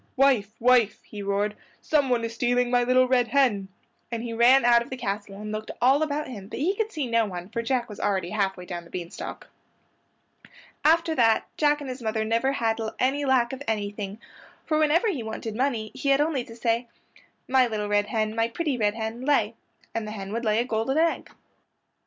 "Wife, wife," he roared, "someone is stealing my little red hen," and he ran out of the castle and looked all about him; but he could see no one, for Jack was already half way down the bean stalk. After that Jack and his mother never had any lack of anything, for whenever he wanted money he had only to say, "My little red hen, my pretty red hen, lay," and the hen would lay a gold egg.